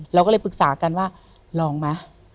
เราก็เลยปรึกษากันว่าลองไหม